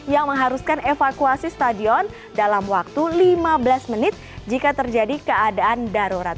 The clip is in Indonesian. yang mengharuskan evakuasi stadion dalam waktu lima belas menit jika terjadi keadaan darurat